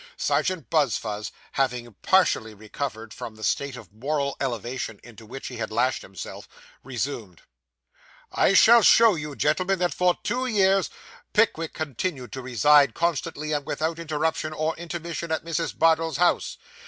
Serjeant Buzfuz, having partially recovered from the state of moral elevation into which he had lashed himself, resumed 'I shall show you, gentlemen, that for two years, Pickwick continued to reside constantly, and without interruption or intermission, at Mrs. Bardell's house.